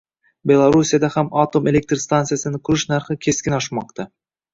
Belarusiyada ham atom elektr stantsiyasini qurish narxi keskin oshmoqda